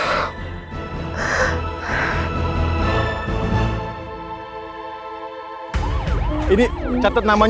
paapa ini sama beberapa orang